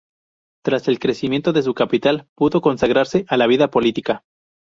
Tras el crecimiento de su capital pudo consagrarse a la vida política.